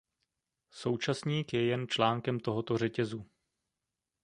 Současník je jen článkem tohoto řetězu.